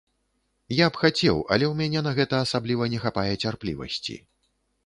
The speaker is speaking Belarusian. Я б хацеў, але ў мяне на гэта асабліва не хапае цярплівасці.